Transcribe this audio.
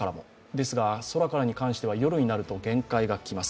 ですが空からは夜になると限界が来ます。